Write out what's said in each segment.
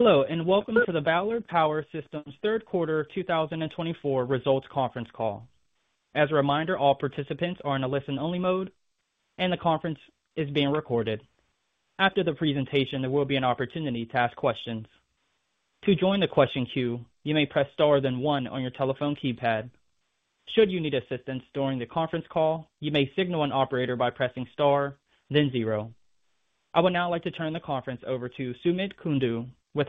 Hello, and welcome to the Ballard Power Systems third quarter 2024 results conference call. As a reminder, all participants are in a listen-only mode, and the conference is being recorded. After the presentation, there will be an opportunity to ask questions. To join the question queue, you may press star then one on your telephone keypad. Should you need assistance during the conference call, you may signal an operator by pressing star, then zero. I would now like to turn the conference over to Sumit Kundu with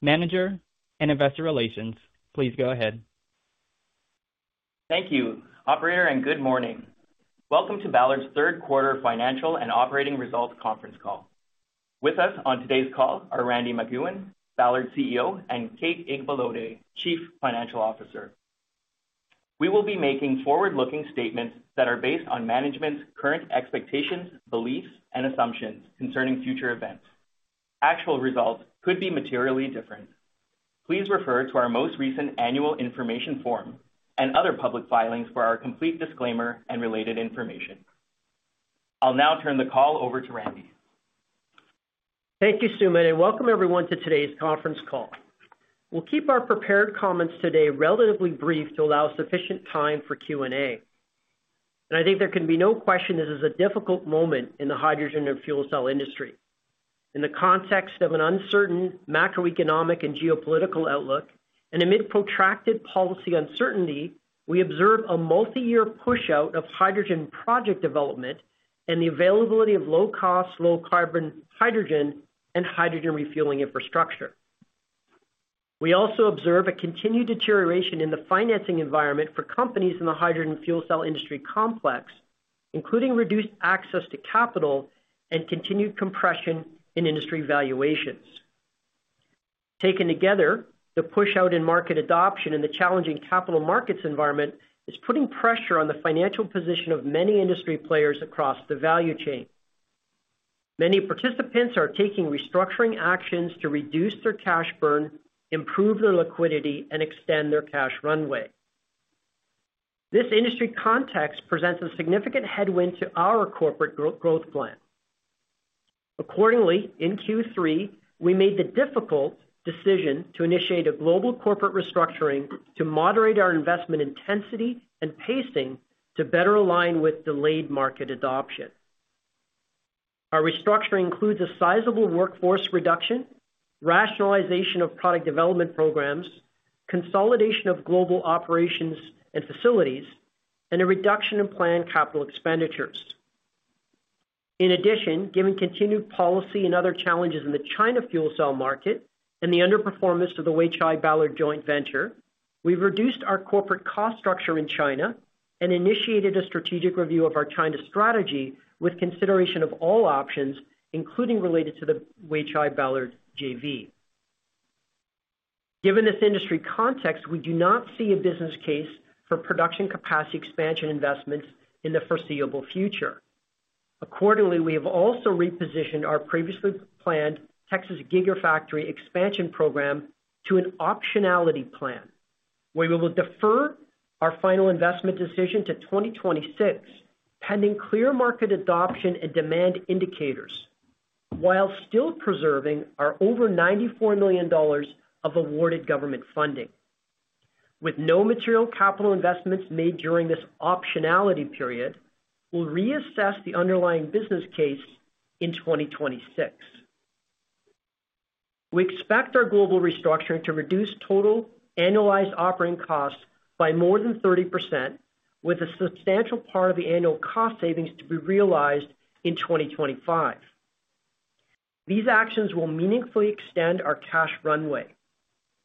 Manager and Investor Relations. Please go ahead. Thank you, Operator, and good morning. Welcome to Ballard's third quarter financial and operating results conference call. With us on today's call are Randy MacEwen, Ballard CEO, and Kate Igbalode, Chief Financial Officer. We will be making forward-looking statements that are based on management's current expectations, beliefs, and assumptions concerning future events. Actual results could be materially different. Please refer to our most recent annual information form and other public filings for our complete disclaimer and related information. I'll now turn the call over to Randy. Thank you, Sumit, and welcome everyone to today's conference call. We'll keep our prepared comments today relatively brief to allow sufficient time for Q&A. And I think there can be no question this is a difficult moment in the hydrogen and fuel cell industry. In the context of an uncertain macroeconomic and geopolitical outlook and amid protracted policy uncertainty, we observe a multi-year push-out of hydrogen project development and the availability of low-cost, low-carbon hydrogen and hydrogen refueling infrastructure. We also observe a continued deterioration in the financing environment for companies in the hydrogen fuel cell industry complex, including reduced access to capital and continued compression in industry valuations. Taken together, the push-out in market adoption and the challenging capital markets environment is putting pressure on the financial position of many industry players across the value chain. Many participants are taking restructuring actions to reduce their cash burn, improve their liquidity, and extend their cash runway. This industry context presents a significant headwind to our corporate growth plan. Accordingly, in Q3, we made the difficult decision to initiate a global corporate restructuring to moderate our investment intensity and pacing to better align with delayed market adoption. Our restructuring includes a sizable workforce reduction, rationalization of product development programs, consolidation of global operations and facilities, and a reduction in planned capital expenditures. In addition, given continued policy and other challenges in the China fuel cell market and the underperformance of the Weichai Ballard joint venture, we've reduced our corporate cost structure in China and initiated a strategic review of our China strategy with consideration of all options, including related to the Weichai Ballard JV. Given this industry context, we do not see a business case for production capacity expansion investments in the foreseeable future. Accordingly, we have also repositioned our previously planned Texas Gigafactory expansion program to an optionality plan, where we will defer our final investment decision to 2026, pending clear market adoption and demand indicators, while still preserving our over $94 million of awarded government funding. With no material capital investments made during this optionality period, we'll reassess the underlying business case in 2026. We expect our global restructuring to reduce total annualized operating costs by more than 30%, with a substantial part of the annual cost savings to be realized in 2025. These actions will meaningfully extend our cash runway.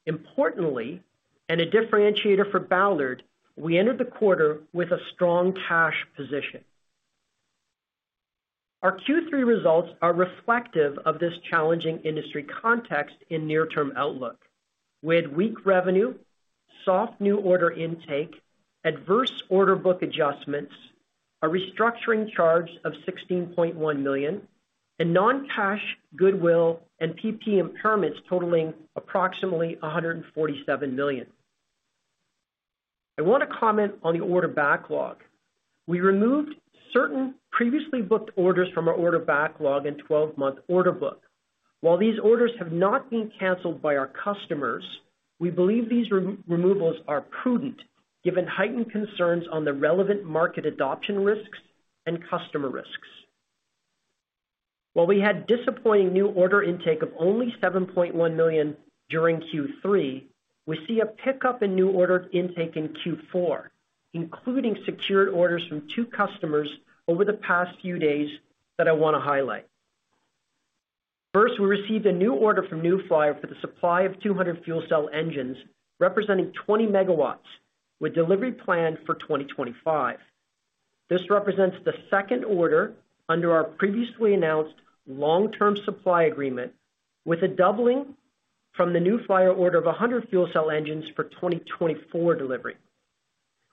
Importantly, and a differentiator for Ballard, we entered the quarter with a strong cash position. Our Q3 results are reflective of this challenging industry context and near-term outlook, with weak revenue, soft new order intake, adverse order book adjustments, a restructuring charge of $16.1 million, and non-cash goodwill and PP impairments totaling approximately $147 million. I want to comment on the order backlog. We removed certain previously booked orders from our order backlog and 12-month order book. While these orders have not been canceled by our customers, we believe these removals are prudent, given heightened concerns on the relevant market adoption risks and customer risks. While we had disappointing new order intake of only $7.1 million during Q3, we see a pickup in new order intake in Q4, including secured orders from two customers over the past few days that I want to highlight. First, we received a new order from New Flyer for the supply of 200 fuel cell engines, representing 20 MW, with delivery planned for 2025. This represents the second order under our previously announced long-term supply agreement, with a doubling from the New Flyer order of 100 fuel cell engines for 2024 delivery.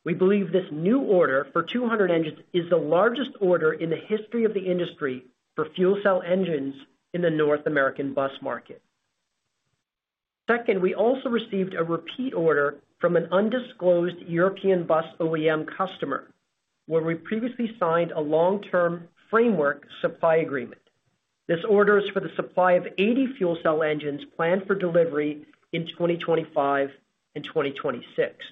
We believe this new order for 200 engines is the largest order in the history of the industry for fuel cell engines in the North American bus market. Second, we also received a repeat order from an undisclosed European bus OEM customer, where we previously signed a long-term framework supply agreement. This order is for the supply of 80 fuel cell engines planned for delivery in 2025 and 2026.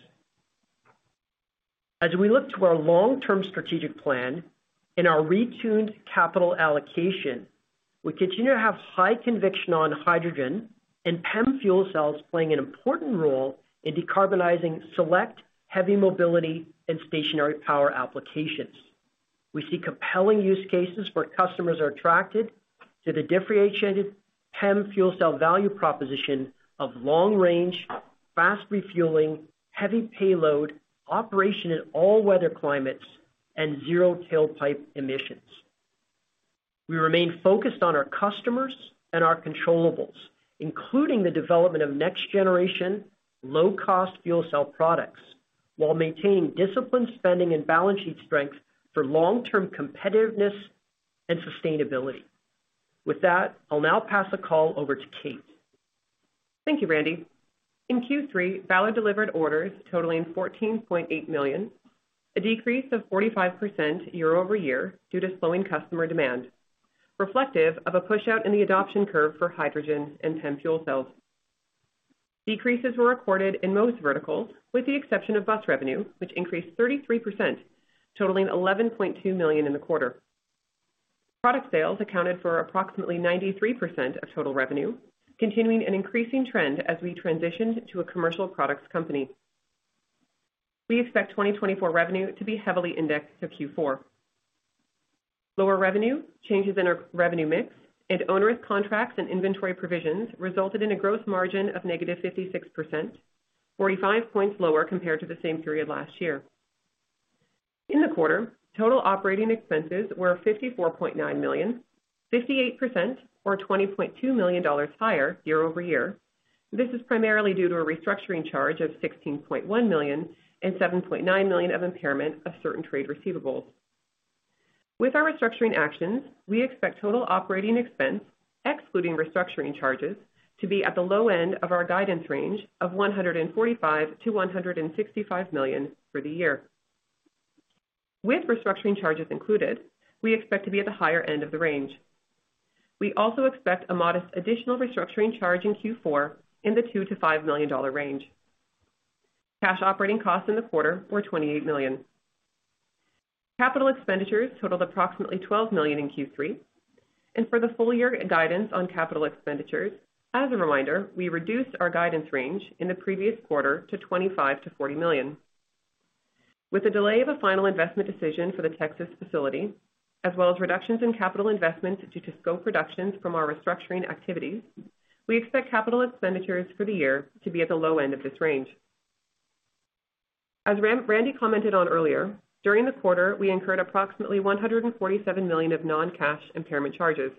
As we look to our long-term strategic plan and our refined capital allocation, we continue to have high conviction on hydrogen and PEM fuel cells playing an important role in decarbonizing select heavy mobility and stationary power applications. We see compelling use cases where customers are attracted to the differentiated PEM fuel cell value proposition of long-range, fast refueling, heavy payload, operation in all weather climates, and zero tailpipe emissions. We remain focused on our customers and our controllables, including the development of next-generation low-cost fuel cell products, while maintaining disciplined spending and balance sheet strength for long-term competitiveness and sustainability. With that, I'll now pass the call over to Kate. Thank you, Randy. In Q3, Ballard delivered orders totaling $14.8 million, a decrease of 45% year-over-year due to slowing customer demand, reflective of a push-out in the adoption curve for hydrogen and PEM fuel cells. Decreases were recorded in most verticals, with the exception of bus revenue, which increased 33%, totaling $11.2 million in the quarter. Product sales accounted for approximately 93% of total revenue, continuing an increasing trend as we transitioned to a commercial products company. We expect 2024 revenue to be heavily indexed to Q4. Lower revenue, changes in our revenue mix, and onerous contracts and inventory provisions resulted in a gross margin of -56%, 45 points lower compared to the same period last year. In the quarter, total operating expenses were $54.9 million, 58% or $20.2 million higher year-over-year. This is primarily due to a restructuring charge of $16.1 million and $7.9 million of impairment of certain trade receivables. With our restructuring actions, we expect total operating expense, excluding restructuring charges, to be at the low end of our guidance range of $145 million-$165 million for the year. With restructuring charges included, we expect to be at the higher end of the range. We also expect a modest additional restructuring charge in Q4 in the $2 million-$5 million range. Cash operating costs in the quarter were $28 million. Capital expenditures totaled approximately $12 million in Q3. And for the full-year guidance on capital expenditures, as a reminder, we reduced our guidance range in the previous quarter to $25 million-$40 million. With the delay of a final investment decision for the Texas facility, as well as reductions in capital investments due to scope reductions from our restructuring activities, we expect capital expenditures for the year to be at the low end of this range. As Randy commented on earlier, during the quarter, we incurred approximately $147 million of non-cash impairment charges.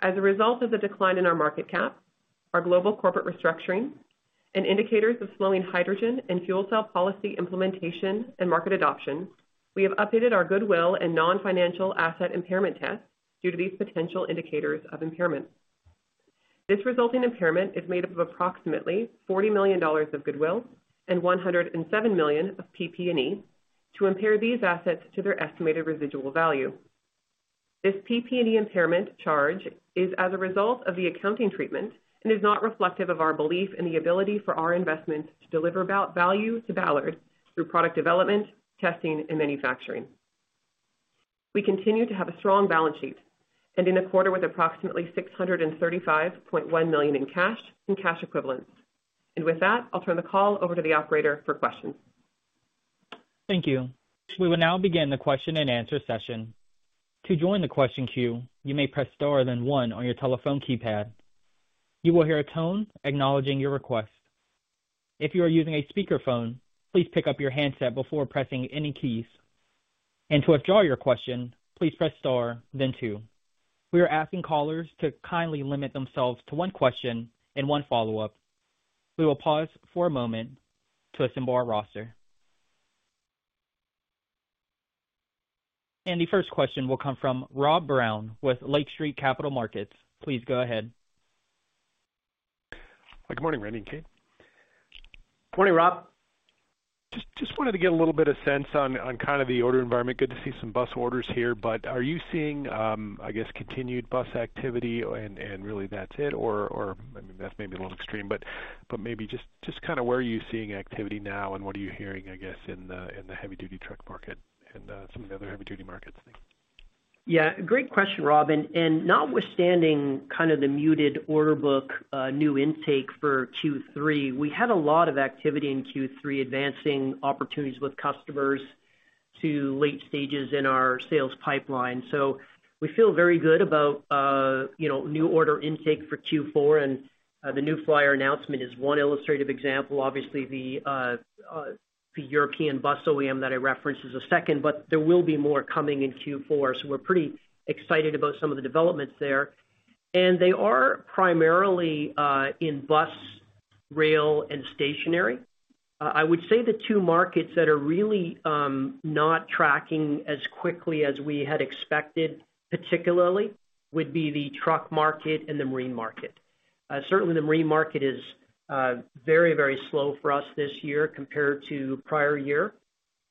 As a result of the decline in our market cap, our global corporate restructuring, and indicators of slowing hydrogen and fuel cell policy implementation and market adoption, we have updated our goodwill and non-financial asset impairment tests due to these potential indicators of impairment. This resulting impairment is made up of approximately $40 million of goodwill and $107 million of PP&E to impair these assets to their estimated residual value. This PP&E impairment charge is as a result of the accounting treatment and is not reflective of our belief in the ability for our investments to deliver value to Ballard through product development, testing, and manufacturing. We continue to have a strong balance sheet and in a quarter with approximately $635.1 million in cash and cash equivalents. With that, I'll turn the call over to the Operator for questions. Thank you. We will now begin the question and answer session. To join the question queue, you may press star then one on your telephone keypad. You will hear a tone acknowledging your request. If you are using a speakerphone, please pick up your handset before pressing any keys. To withdraw your question, please press star then two. We are asking callers to kindly limit themselves to one question and one follow-up. We will pause for a moment to assemble our roster. The first question will come from Rob Brown with Lake Street Capital Markets. Please go ahead. Good morning, Randy and Kate. Morning, Rob. Just wanted to get a little bit of sense on kind of the order environment. Good to see some bus orders here. But are you seeing, I guess, continued bus activity and really that's it? Or that's maybe a little extreme. But maybe just kind of where are you seeing activity now and what are you hearing, I guess, in the heavy-duty truck market and some of the other heavy-duty markets? Yeah. Great question, Rob. And notwithstanding kind of the muted order book new intake for Q3, we had a lot of activity in Q3 advancing opportunities with customers to late stages in our sales pipeline. So we feel very good about new order intake for Q4. And the New Flyer announcement is one illustrative example. Obviously, the European bus OEM that I referenced is a second, but there will be more coming in Q4. So we're pretty excited about some of the developments there. And they are primarily in bus, rail, and stationary. I would say the two markets that are really not tracking as quickly as we had expected, particularly, would be the truck market and the marine market. Certainly, the marine market is very, very slow for us this year compared to prior-year.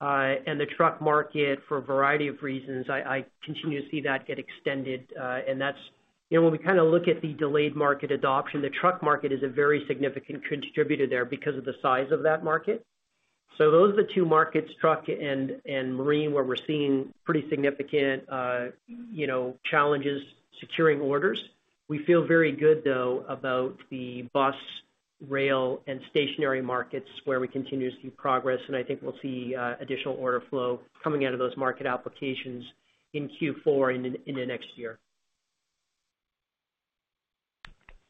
The truck market, for a variety of reasons, I continue to see that get extended. When we kind of look at the delayed market adoption, the truck market is a very significant contributor there because of the size of that market. Those are the two markets, truck and marine, where we're seeing pretty significant challenges securing orders. We feel very good, though, about the bus, rail, and stationary markets where we continue to see progress. I think we'll see additional order flow coming out of those market applications in Q4 and in the next year.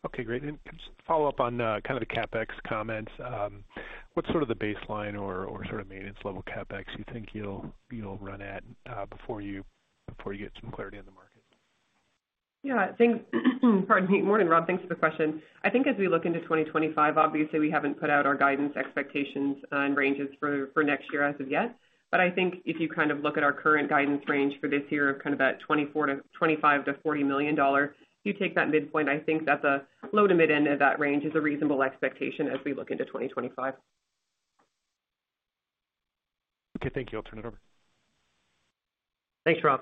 Okay. Great. And just follow up on kind of the CapEx comments. What's sort of the baseline or sort of maintenance level CapEx you think you'll run at before you get some clarity on the market? Yeah. Pardon me. Morning, Rob. Thanks for the question. I think as we look into 2025, obviously, we haven't put out our guidance expectations and ranges for next year as of yet. But I think if you kind of look at our current guidance range for this year of kind of that $25 million-$40 million, if you take that midpoint, I think that the low to mid-end of that range is a reasonable expectation as we look into 2025. Okay. Thank you. I'll turn it over. Thanks, Rob.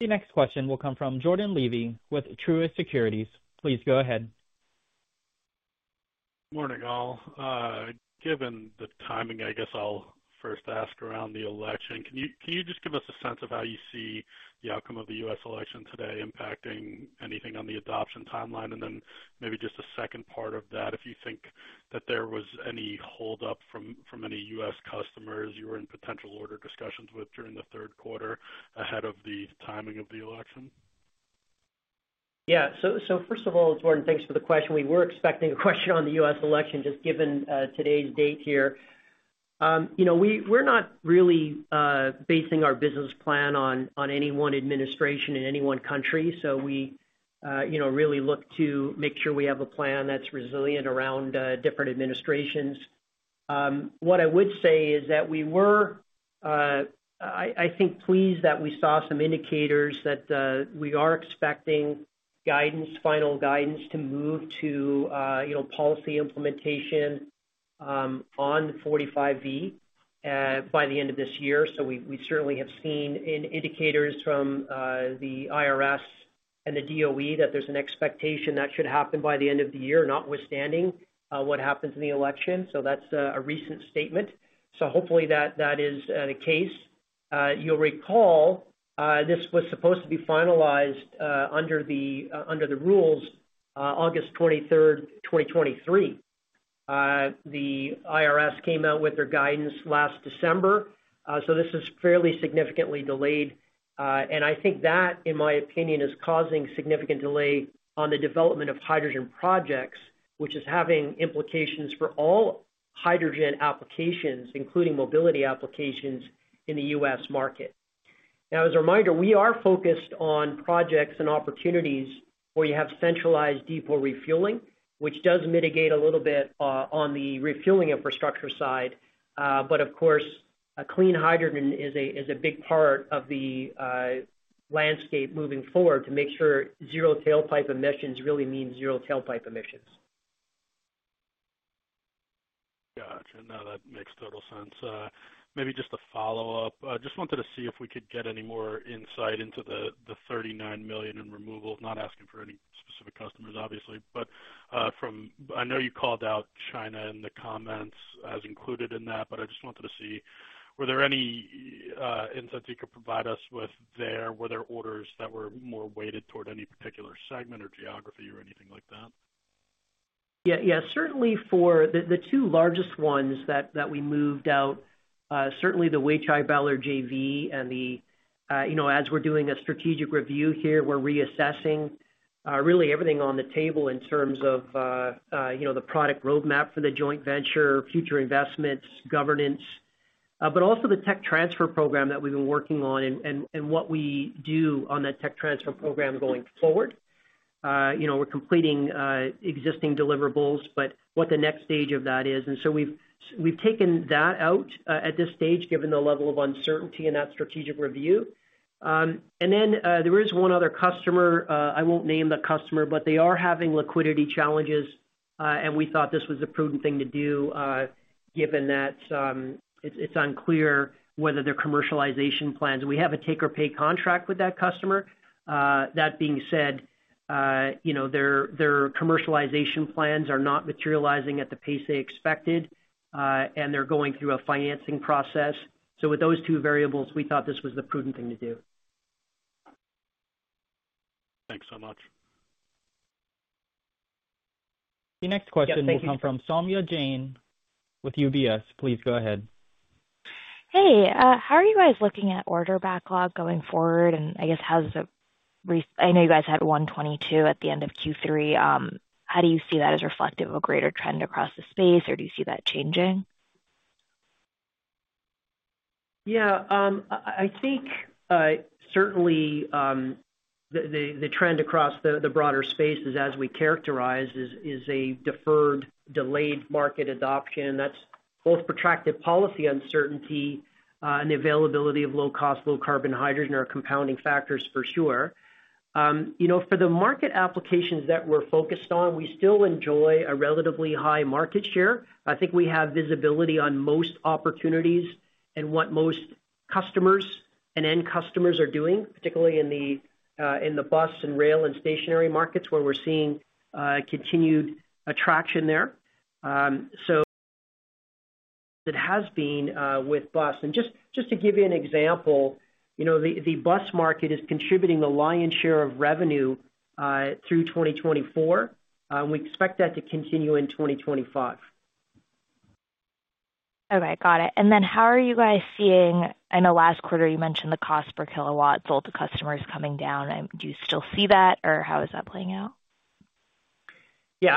The next question will come from Jordan Levy with Truist Securities. Please go ahead. Morning, all. Given the timing, I guess I'll first ask about the election. Can you just give us a sense of how you see the outcome of the U.S. election today impacting anything on the adoption timeline? And then maybe just a second part of that, if you think that there was any holdup from any U.S. customers you were in potential order discussions with during the third quarter ahead of the timing of the election? Yeah. So first of all, Jordan, thanks for the question. We were expecting a question on the U.S. election just given today's date here. We're not really basing our business plan on any one administration in any one country. So we really look to make sure we have a plan that's resilient around different administrations. What I would say is that we were, I think, pleased that we saw some indicators that we are expecting guidance, final guidance, to move to policy implementation on 45V by the end of this year. So we certainly have seen indicators from the IRS and the DOE that there's an expectation that should happen by the end of the year, notwithstanding what happens in the election. So that's a recent statement. So hopefully, that is the case. You'll recall this was supposed to be finalized under the rules August 23rd, 2023. The IRS came out with their guidance last December, so this is fairly significantly delayed, and I think that, in my opinion, is causing significant delay on the development of hydrogen projects, which is having implications for all hydrogen applications, including mobility applications in the U.S. market. Now, as a reminder, we are focused on projects and opportunities where you have centralized depot refueling, which does mitigate a little bit on the refueling infrastructure side, but of course, clean hydrogen is a big part of the landscape moving forward to make sure zero tailpipe emissions really mean zero tailpipe emissions. Gotcha. No, that makes total sense. Maybe just a follow-up. I just wanted to see if we could get any more insight into the $39 million in removal. Not asking for any specific customers, obviously. But I know you called out China in the comments as included in that. But I just wanted to see, were there any insights you could provide us with there? Were there orders that were more weighted toward any particular segment or geography or anything like that? Yeah. Yeah. Certainly, for the two largest ones that we moved out, certainly the Weichai Ballard JV and the, as we're doing a strategic review here, we're reassessing really everything on the table in terms of the product roadmap for the joint venture, future investments, governance, but also the tech transfer program that we've been working on and what we do on that tech transfer program going forward. We're completing existing deliverables, but what the next stage of that is. We've taken that out at this stage, given the level of uncertainty in that strategic review. There is one other customer. I won't name the customer, but they are having liquidity challenges. We thought this was a prudent thing to do given that it's unclear whether their commercialization plans. We have a take-or-pay contract with that customer. That being said, their commercialization plans are not materializing at the pace they expected, and they're going through a financing process. So with those two variables, we thought this was the prudent thing to do. Thanks so much. The next question will come from Saumya Jain with UBS. Please go ahead. Hey. How are you guys looking at order backlog going forward? And I guess, I know you guys had 122 at the end of Q3. How do you see that as reflective of a greater trend across the space, or do you see that changing? Yeah. I think certainly the trend across the broader space is, as we characterize, a deferred, delayed market adoption. And that's both protracted policy uncertainty and availability of low-cost, low-carbon hydrogen are compounding factors for sure. For the market applications that we're focused on, we still enjoy a relatively high market share. I think we have visibility on most opportunities and what most customers and end customers are doing, particularly in the bus and rail and stationary markets where we're seeing continued traction there. So it has been with bus. And just to give you an example, the bus market is contributing the lion's share of revenue through 2024. We expect that to continue in 2025. Okay. Got it, and then how are you guys seeing? I know last quarter you mentioned the cost per kilowatt sold to customers coming down. Do you still see that, or how is that playing out? Yeah.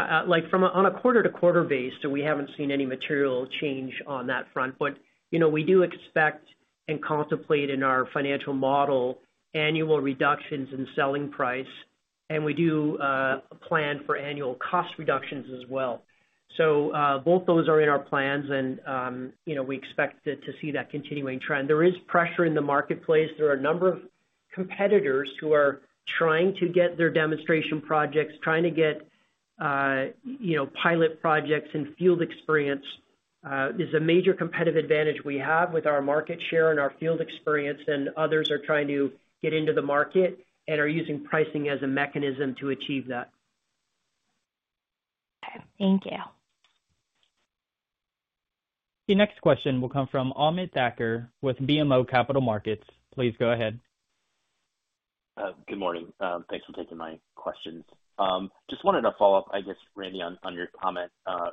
On a quarter-to-quarter basis, so we haven't seen any material change on that front. But we do expect and contemplate in our financial model annual reductions in selling price. And we do plan for annual cost reductions as well. So both those are in our plans, and we expect to see that continuing trend. There is pressure in the marketplace. There are a number of competitors who are trying to get their demonstration projects, trying to get pilot projects and field experience. It's a major competitive advantage we have with our market share and our field experience. And others are trying to get into the market and are using pricing as a mechanism to achieve that. Okay. Thank you. The next question will come from Ameet Thakkar with BMO Capital Markets. Please go ahead. Good morning. Thanks for taking my questions. Just wanted to follow up, I guess, Randy, on your comment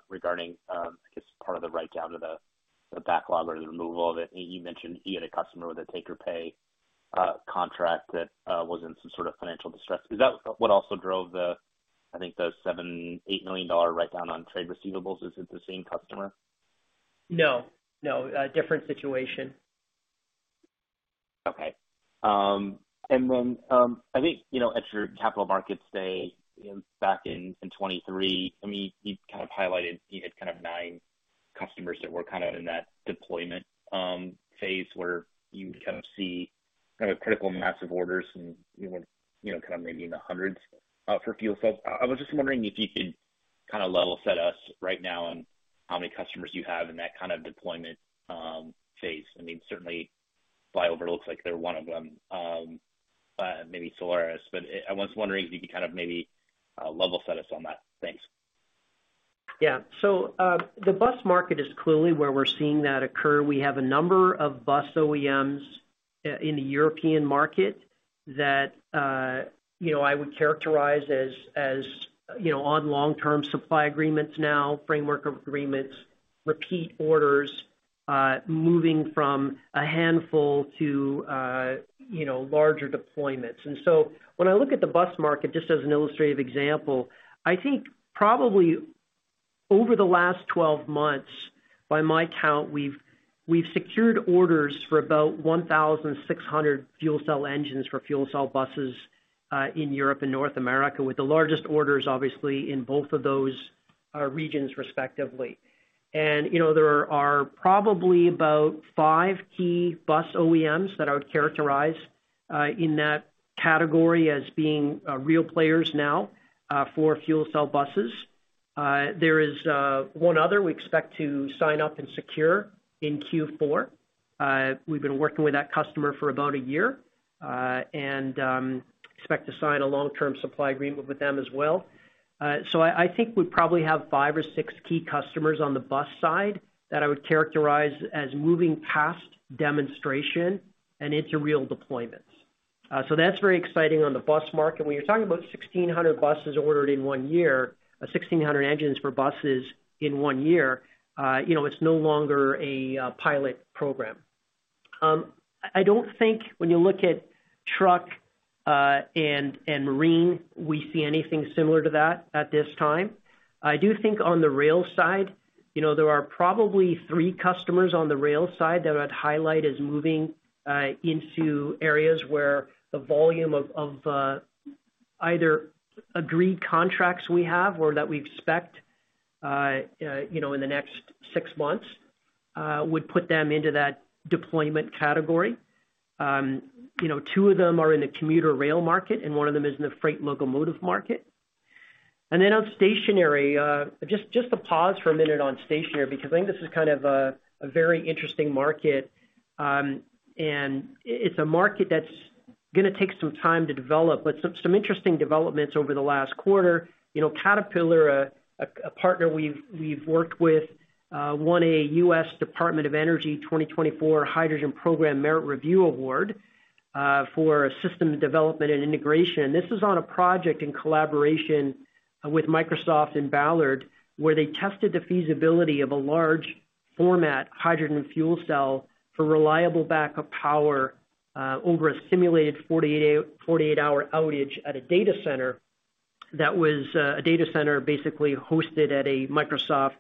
regarding, I guess, part of the write-down of the backlog or the removal of it. You mentioned you had a customer with a take-or-pay contract that was in some sort of financial distress. Is that what also drove the, I think, the $7 million-$8 million write-down on trade receivables? Is it the same customer? No. No. Different situation. Okay. And then I think at your capital markets day back in 2023, I mean, you kind of highlighted you had kind of nine customers that were kind of in that deployment phase where you would kind of see kind of critical massive orders and kind of maybe in the hundreds for fuel cells. I was just wondering if you could kind of level set us right now on how many customers you have in that kind of deployment phase. I mean, certainly, New Flyer looks like they're one of them, maybe Solaris. But I was wondering if you could kind of maybe level set us on that. Thanks. Yeah. So the bus market is clearly where we're seeing that occur. We have a number of bus OEMs in the European market that I would characterize as on long-term supply agreements now, framework agreements, repeat orders, moving from a handful to larger deployments. And so when I look at the bus market, just as an illustrative example, I think probably over the last 12 months, by my count, we've secured orders for about 1,600 fuel cell engines for fuel cell buses in Europe and North America, with the largest orders, obviously, in both of those regions, respectively. And there are probably about five key bus OEMs that I would characterize in that category as being real players now for fuel cell buses. There is one other we expect to sign up and secure in Q4. We've been working with that customer for about a year and expect to sign a long-term supply agreement with them as well. So I think we probably have five or six key customers on the bus side that I would characterize as moving past demonstration and into real deployments. So that's very exciting on the bus market. When you're talking about 1,600 buses ordered in one year, 1,600 engines for buses in one year, it's no longer a pilot program. I don't think when you look at truck and marine, we see anything similar to that at this time. I do think on the rail side, there are probably three customers on the rail side that I'd highlight as moving into areas where the volume of either agreed contracts we have or that we expect in the next six months would put them into that deployment category. Two of them are in the commuter rail market, and one of them is in the freight locomotive market. And then on stationary, just to pause for a minute on stationary because I think this is kind of a very interesting market. And it's a market that's going to take some time to develop, but some interesting developments over the last quarter. Caterpillar, a partner we've worked with, won a U.S. Department of Energy 2024 Hydrogen Program Merit Review Award for System Development and Integration. And this is on a project in collaboration with Microsoft and Ballard where they tested the feasibility of a large-format hydrogen fuel cell for reliable backup power over a simulated 48-hour outage at a data center that was a data center basically hosted at a Microsoft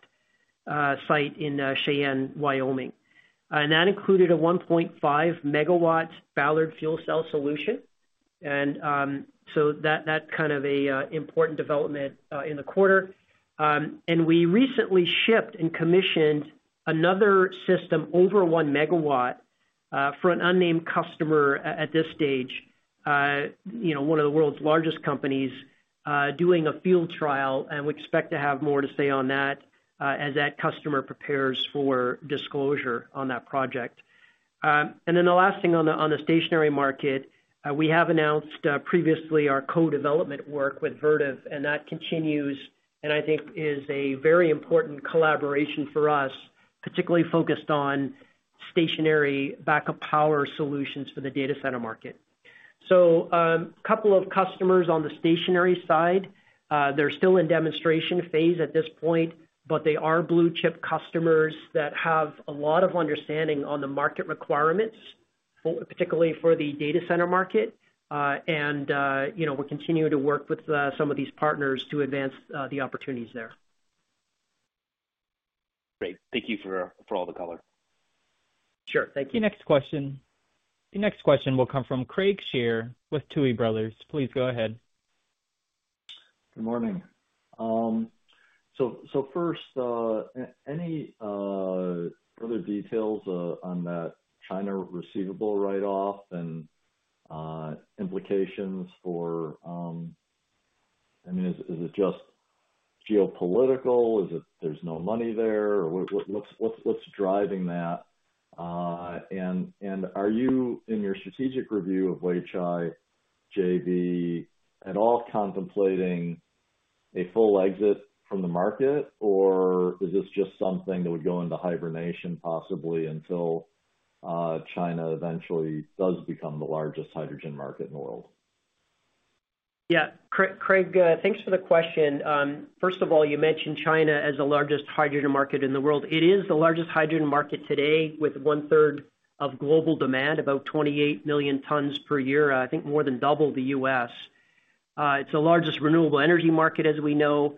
site in Cheyenne, Wyoming. And that included a 1.5 MW Ballard fuel cell solution. That's kind of an important development in the quarter. We recently shipped and commissioned another system over 1 MW for an unnamed customer at this stage, one of the world's largest companies, doing a field trial. We expect to have more to say on that as that customer prepares for disclosure on that project. Then the last thing on the stationary market, we have announced previously our co-development work with Vertiv. That continues, and I think is a very important collaboration for us, particularly focused on stationary backup power solutions for the data center market. A couple of customers on the stationary side. They're still in demonstration phase at this point, but they are blue-chip customers that have a lot of understanding on the market requirements, particularly for the data center market. We're continuing to work with some of these partners to advance the opportunities there. Great. Thank you for all the color. Sure. Thank you. The next question will come from Craig Shere with Tuohy Brothers. Please go ahead. Good morning. So first, any further details on that China receivable write-off and implications for, I mean, is it just geopolitical? There's no money there. What's driving that? And are you, in your strategic review of Weichai JV, at all contemplating a full exit from the market, or is this just something that would go into hibernation possibly until China eventually does become the largest hydrogen market in the world? Yeah. Craig, thanks for the question. First of all, you mentioned China as the largest hydrogen market in the world. It is the largest hydrogen market today with one-third of global demand, about 28 million tons per year. I think more than double the US. It's the largest renewable energy market, as we know.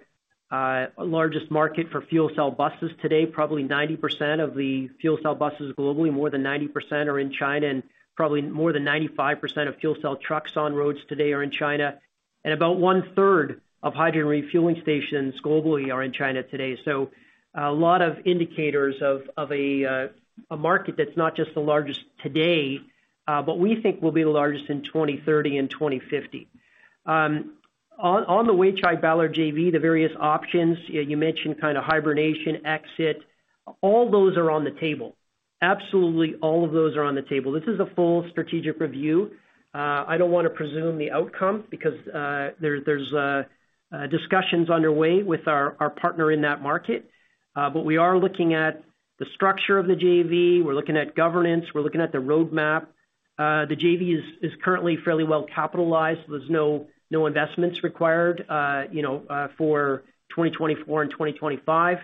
Largest market for fuel cell buses today, probably 90% of the fuel cell buses globally, more than 90% are in China. And probably more than 95% of fuel cell trucks on roads today are in China. And about one-third of hydrogen refueling stations globally are in China today. So a lot of indicators of a market that's not just the largest today, but we think will be the largest in 2030 and 2050. On the Weichai Ballard JV, the various options, you mentioned kind of hibernation, exit. All those are on the table. Absolutely all of those are on the table. This is a full strategic review. I don't want to presume the outcome because there's discussions underway with our partner in that market. But we are looking at the structure of the JV. We're looking at governance. We're looking at the roadmap. The JV is currently fairly well capitalized. There's no investments required for 2024 and 2025.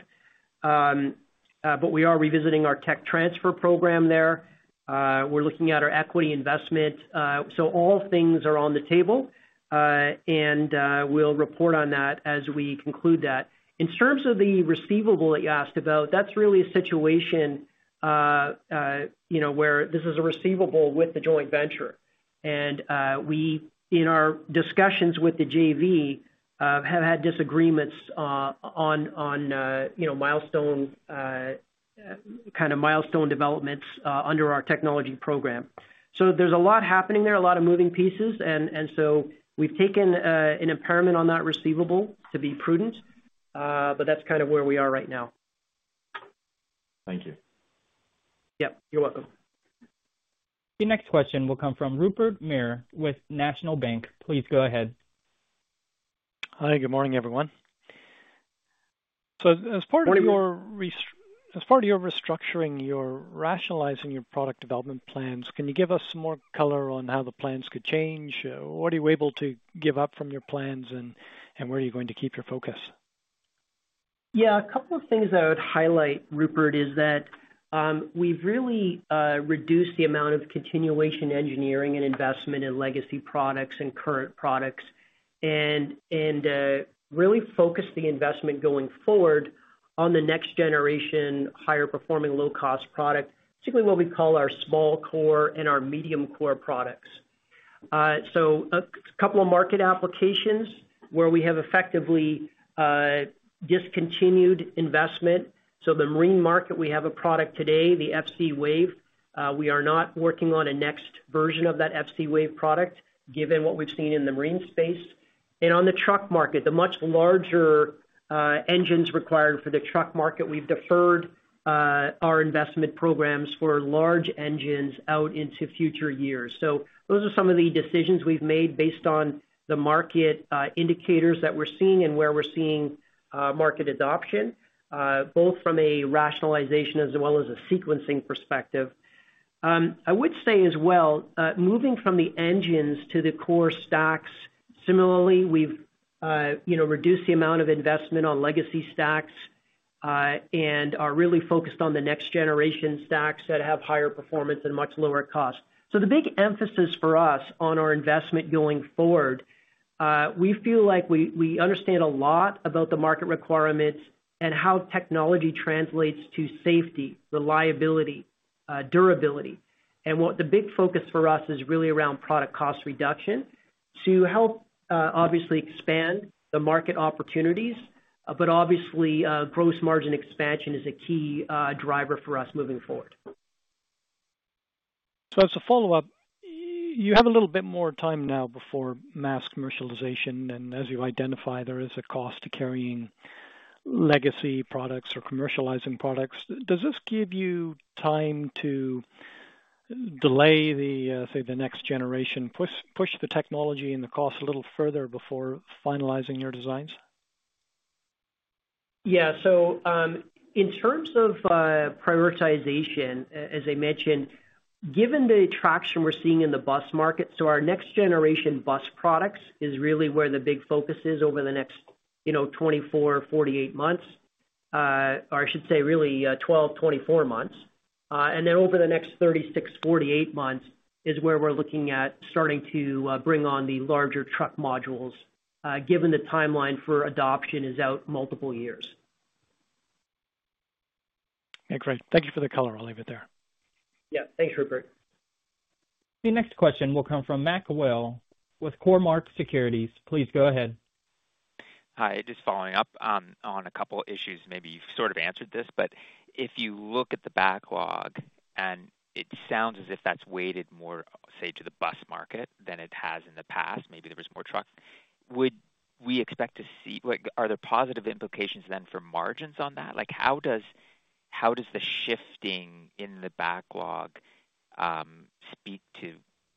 But we are revisiting our tech transfer program there. We're looking at our equity investment. So all things are on the table. And we'll report on that as we conclude that. In terms of the receivable that you asked about, that's really a situation where this is a receivable with the joint venture. And we, in our discussions with the JV, have had disagreements on kind of milestone developments under our technology program. So there's a lot happening there, a lot of moving pieces. We've taken an impairment on that receivable to be prudent. But that's kind of where we are right now. Thank you. Yep. You're welcome. The next question will come from Rupert Merer with National Bank. Please go ahead. Hi. Good morning, everyone. So, as part of your restructuring, you're rationalizing your product development plans. Can you give us some more color on how the plans could change? What are you able to give up from your plans, and where are you going to keep your focus? Yeah. A couple of things I would highlight, Rupert, is that we've really reduced the amount of continuation engineering and investment in legacy products and current products and really focused the investment going forward on the next generation higher-performing low-cost product, particularly what we call our small core and our medium core products. So a couple of market applications where we have effectively discontinued investment. So the marine market, we have a product today, the FCwave. We are not working on a next version of that FCwave product given what we've seen in the marine space. And on the truck market, the much larger engines required for the truck market, we've deferred our investment programs for large engines out into future years. So those are some of the decisions we've made based on the market indicators that we're seeing and where we're seeing market adoption, both from a rationalization as well as a sequencing perspective. I would say as well, moving from the engines to the core stacks, similarly, we've reduced the amount of investment on legacy stacks and are really focused on the next generation stacks that have higher performance and much lower cost. So the big emphasis for us on our investment going forward, we feel like we understand a lot about the market requirements and how technology translates to safety, reliability, durability. And the big focus for us is really around product cost reduction to help obviously expand the market opportunities. But obviously, gross margin expansion is a key driver for us moving forward. So as a follow-up, you have a little bit more time now before mass commercialization. And as you identify, there is a cost to carrying legacy products or commercializing products. Does this give you time to delay the, say, the next generation, push the technology and the cost a little further before finalizing your designs? Yeah. So in terms of prioritization, as I mentioned, given the traction we're seeing in the bus market, so our next generation bus products is really where the big focus is over the next 24 months-48 months, or I should say really 12 months-24 months. And then over the next 36 months-48 months is where we're looking at starting to bring on the larger truck modules given the timeline for adoption is out multiple years. Okay. Great. Thank you for the color. I'll leave it there. Yeah. Thanks, Rupert. The next question will come from Mac Whale with Cormark Securities. Please go ahead. Hi. Just following up on a couple of issues. Maybe you've sort of answered this, but if you look at the backlog, and it sounds as if that's weighted more, say, to the bus market than it has in the past, maybe there was more trucks. Would we expect to see? Are there positive implications then for margins on that? How does the shifting in the backlog speak to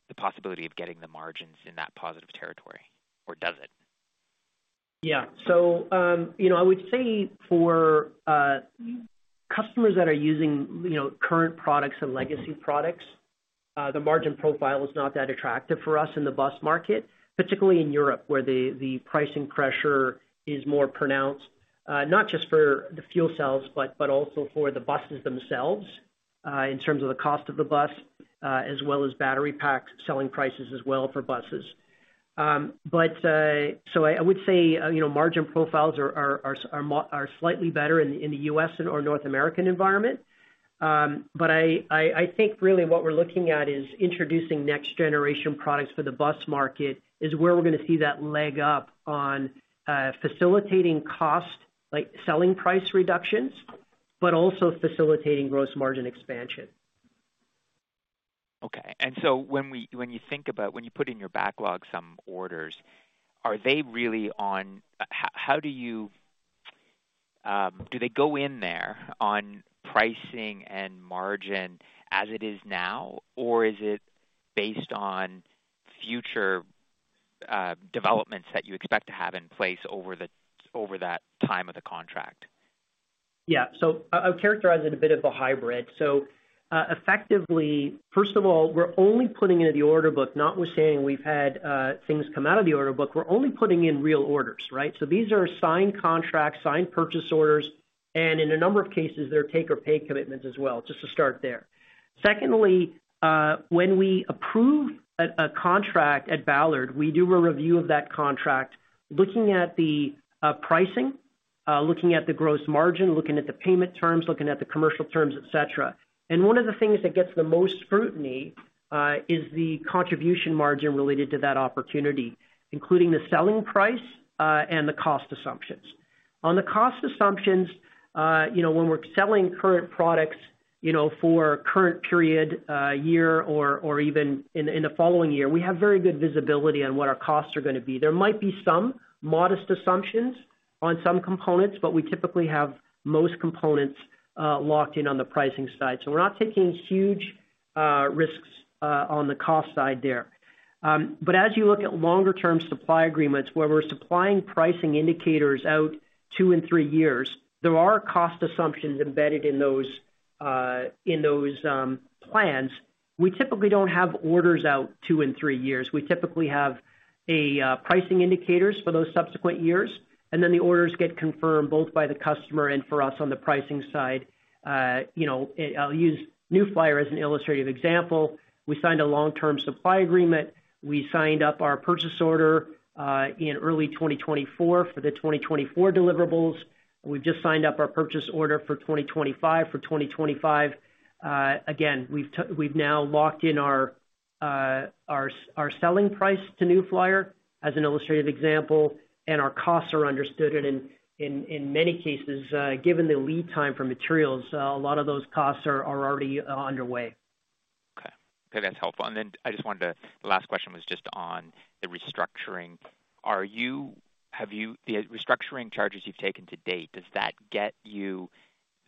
the possibility of getting the margins in that positive territory, or does it? Yeah. So I would say for customers that are using current products and legacy products, the margin profile is not that attractive for us in the bus market, particularly in Europe where the pricing pressure is more pronounced, not just for the fuel cells, but also for the buses themselves in terms of the cost of the bus, as well as battery pack selling prices as well for buses. But so I would say margin profiles are slightly better in the U.S. and, or North American environment. But I think really what we're looking at is introducing next-generation products for the bus market is where we're going to see that leg up on facilitating cost, like selling price reductions, but also facilitating gross margin expansion. Okay. And so when you think about when you put in your backlog some orders, are they really on pricing and margin as it is now, or is it based on future developments that you expect to have in place over that time of the contract? Yeah. So I would characterize it a bit of a hybrid. So effectively, first of all, we're only putting into the order book, not we're saying we've had things come out of the order book. We're only putting in real orders, right? So these are signed contracts, signed purchase orders. And in a number of cases, they're take-or-pay commitments as well, just to start there. Secondly, when we approve a contract at Ballard, we do a review of that contract looking at the pricing, looking at the gross margin, looking at the payment terms, looking at the commercial terms, etc. And one of the things that gets the most scrutiny is the contribution margin related to that opportunity, including the selling price and the cost assumptions. On the cost assumptions, when we're selling current products for current period, year, or even in the following year, we have very good visibility on what our costs are going to be. There might be some modest assumptions on some components, but we typically have most components locked in on the pricing side. So we're not taking huge risks on the cost side there. But as you look at longer-term supply agreements where we're supplying pricing indicators out two and three years, there are cost assumptions embedded in those plans. We typically don't have orders out two and three years. We typically have pricing indicators for those subsequent years. And then the orders get confirmed both by the customer and for us on the pricing side. I'll use New Flyer as an illustrative example. We signed a long-term supply agreement. We signed up our purchase order in early 2024 for the 2024 deliverables. We've just signed up our purchase order for 2025 for 2025. Again, we've now locked in our selling price to New Flyer as an illustrative example, and our costs are understood, and in many cases, given the lead time for materials, a lot of those costs are already underway. Okay. Okay. That's helpful. And then I just wanted to the last question was just on the restructuring. Have you the restructuring charges you've taken to date, does that get you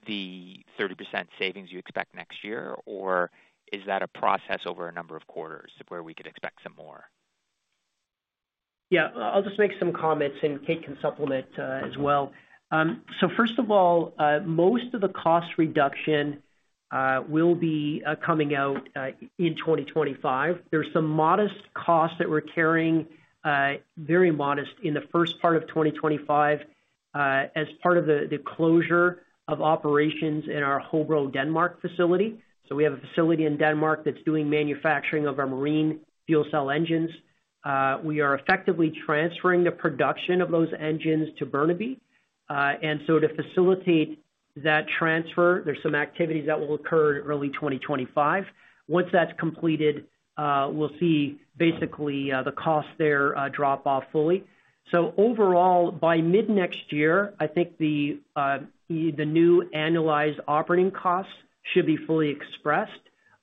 the 30% savings you expect next year, or is that a process over a number of quarters where we could expect some more? Yeah. I'll just make some comments, and Kate can supplement as well. So first of all, most of the cost reduction will be coming out in 2025. There's some modest costs that we're carrying, very modest, in the first part of 2025 as part of the closure of operations in our Hobro, Denmark facility. So we have a facility in Denmark that's doing manufacturing of our marine fuel cell engines. We are effectively transferring the production of those engines to Burnaby. And so to facilitate that transfer, there's some activities that will occur in early 2025. Once that's completed, we'll see basically the costs there drop off fully. So overall, by mid-next year, I think the new annualized operating costs should be fully expressed,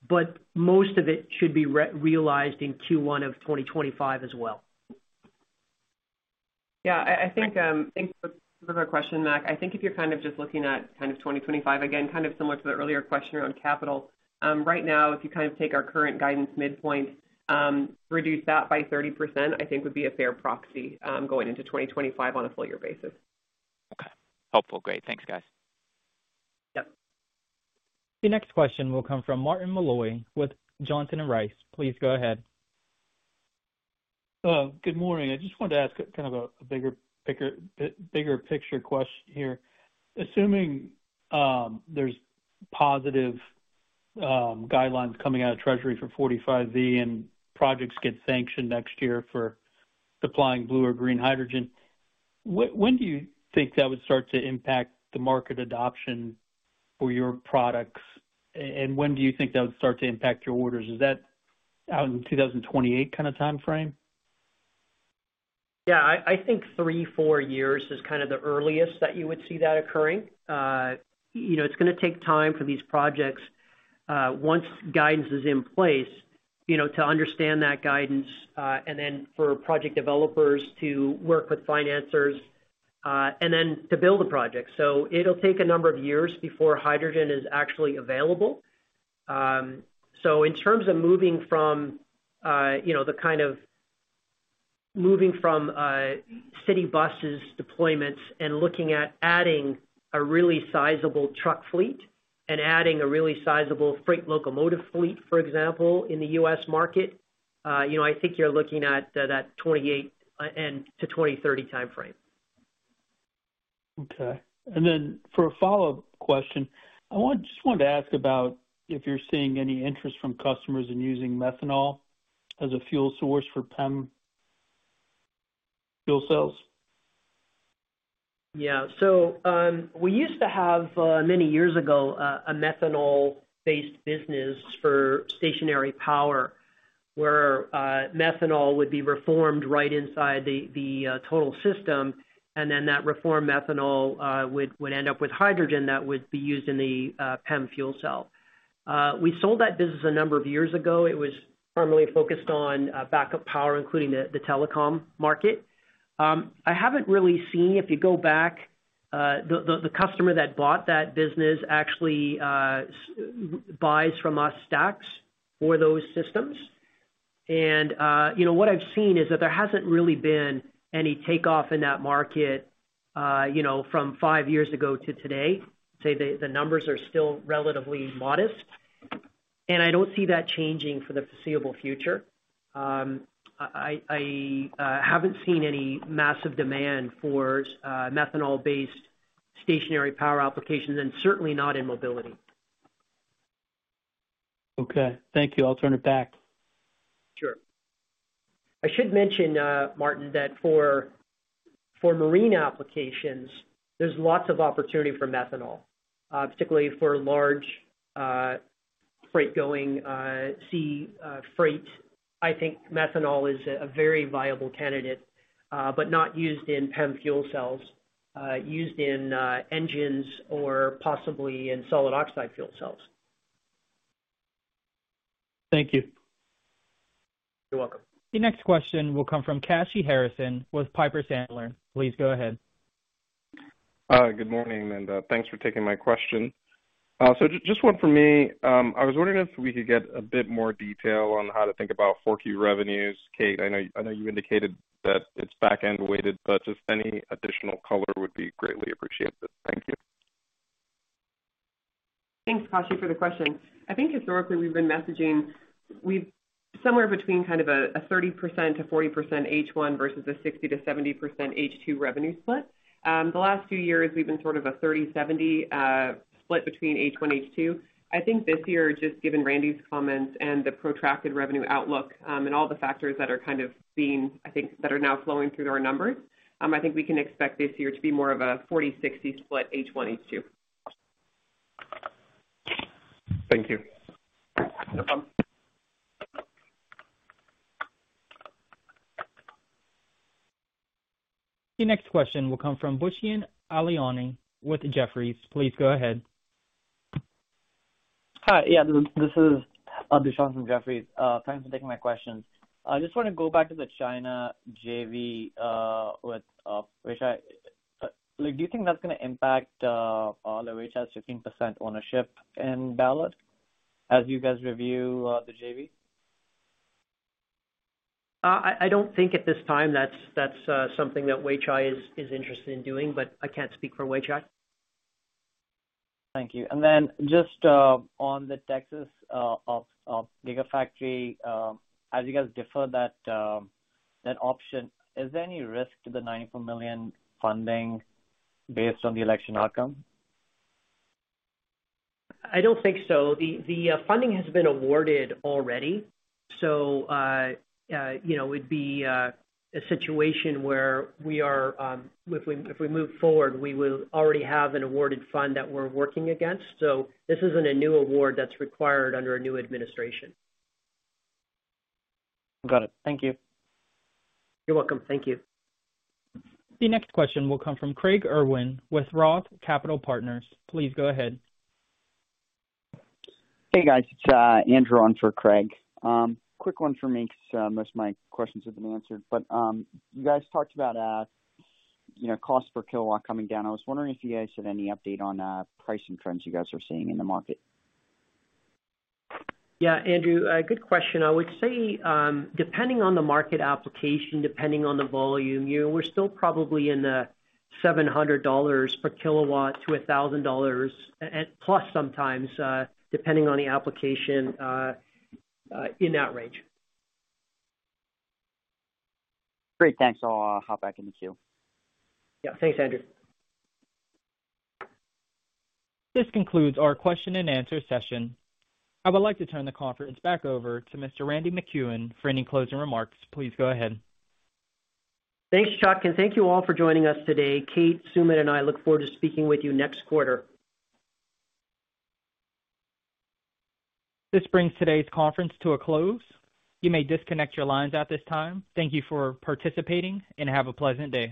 but most of it should be realized in Q1 of 2025 as well. Yeah. I think that's a good question, Mac. I think if you're kind of just looking at kind of 2025, again, kind of similar to the earlier question around capital, right now, if you kind of take our current guidance midpoint, reduce that by 30%, I think would be a fair proxy going into 2025 on a full-year basis. Okay. Helpful. Great. Thanks, guys. Yep. The next question will come from Martin Malloy with Johnson Rice. Please go ahead. Good morning. I just wanted to ask kind of a bigger picture question here. Assuming there's positive guidelines coming out of Treasury for 45V and projects get sanctioned next year for supplying blue or green hydrogen, when do you think that would start to impact the market adoption for your products, and when do you think that would start to impact your orders? Is that out in 2028 kind of timeframe? Yeah. I think three, four years is kind of the earliest that you would see that occurring. It's going to take time for these projects, once guidance is in place, to understand that guidance and then for project developers to work with financers and then to build a project. So it'll take a number of years before hydrogen is actually available. So in terms of moving from the kind of city buses deployments and looking at adding a really sizable truck fleet and adding a really sizable freight locomotive fleet, for example, in the U.S. market, I think you're looking at that 2028 to 2030 timeframe. Okay. And then for a follow-up question, I just wanted to ask about if you're seeing any interest from customers in using methanol as a fuel source for PEM fuel cells? Yeah. So we used to have many years ago a methanol-based business for stationary power where methanol would be reformed right inside the total system. And then that reformed methanol would end up with hydrogen that would be used in the PEM fuel cell. We sold that business a number of years ago. It was primarily focused on backup power, including the telecom market. I haven't really seen if you go back, the customer that bought that business actually buys from us stacks for those systems. And what I've seen is that there hasn't really been any takeoff in that market from five years ago to today. Say the numbers are still relatively modest. And I don't see that changing for the foreseeable future. I haven't seen any massive demand for methanol-based stationary power applications and certainly not in mobility. Okay. Thank you. I'll turn it back. Sure. I should mention, Martin, that for marine applications, there's lots of opportunity for methanol, particularly for large freight-going sea freight. I think methanol is a very viable candidate, but not used in PEM fuel cells, used in engines or possibly in solid oxide fuel cells. Thank you. You're welcome. The next question will come from Kashy Harrison with Piper Sandler. Please go ahead. Good morning, and thanks for taking my question. So just one for me. I was wondering if we could get a bit more detail on how to think about forklift revenues. Kate, I know you indicated that it's back-end weighted, but just any additional color would be greatly appreciated. Thank you. Thanks, Kashy, for the question. I think historically, we've been messaging somewhere between kind of a 30%-40% H1 versus a 60%-70% H2 revenue split. The last few years, we've been sort of a 30/70 split between H1, H2. I think this year, just given Randy's comments and the protracted revenue outlook and all the factors that are kind of being, I think, that are now flowing through our numbers, I think we can expect this year to be more of a 40/60 split H1, H2. Thank you. The next question will come from Dushyant Ailani with Jefferies. Please go ahead. Hi. Yeah. This is Dushyant from Jefferies. Thanks for taking my question. I just want to go back to the China JV with Weichai. Do you think that's going to impact Weichai's 15% ownership in Ballard as you guys review the JV? I don't think at this time that's something that Weichai is interested in doing, but I can't speak for Weichai. Thank you. And then just on the Texas Gigafactory, as you guys defer that option, is there any risk to the $94 million funding based on the election outcome? I don't think so. The funding has been awarded already. So it'd be a situation where we are, if we move forward, we will already have an awarded fund that we're working against. So this isn't a new award that's required under a new administration. Got it. Thank you. You're welcome. Thank you. The next question will come from Craig Irwin with Roth Capital Partners. Please go ahead. Hey, guys. It's Andrew on for Craig. Quick one for me because most of my questions have been answered. But you guys talked about cost per kilowatt coming down. I was wondering if you guys had any update on pricing trends you guys are seeing in the market. Yeah, Andrew, good question. I would say depending on the market application, depending on the volume, we're still probably in the $700-$1,000 per kilowatt plus sometimes, depending on the application in that range. Great. Thanks. I'll hop back in the queue. Yeah. Thanks, Andrew. This concludes our question-and-answer session. I would like to turn the conference back over to Mr. Randy MacEwen for any closing remarks. Please go ahead. Thanks, Chuck, and thank you all for joining us today. Kate, Sumit, and I look forward to speaking with you next quarter. This brings today's conference to a close. You may disconnect your lines at this time. Thank you for participating, and have a pleasant day.